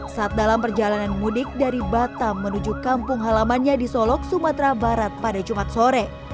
saat dalam perjalanan mudik dari batam menuju kampung halamannya di solok sumatera barat pada jumat sore